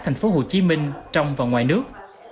thành phố hồ chí minh trong và ngoài nước